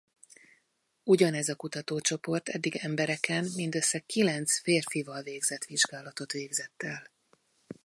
Ugyanez a kutatócsoport eddig embereken mindössze kilenc férfival végzett vizsgálatot végezett el.